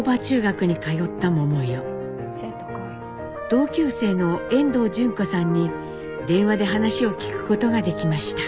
同級生の遠藤順子さんに電話で話を聞くことができました。